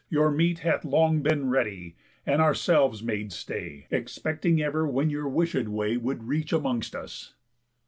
Your meat Hath long been ready, and ourselves made stay, Expecting ever when your wishéd way Would reach amongst us."